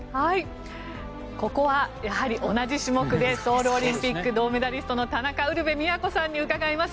ここはやはり同じ種目でソウルオリンピック銅メダリストの田中ウルヴェ京さんに伺います